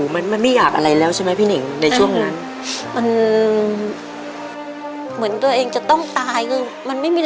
มันมันไม่อยากอะไรแล้วใช่ไหมพี่เน่งในช่วงนั้นมันเหมือนตัวเองจะต้องตายคือมันไม่มี